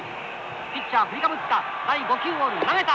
ピッチャー振りかぶった。